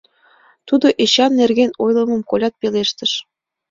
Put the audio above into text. Тудо Эчан нерген ойлымым колят, пелештыш: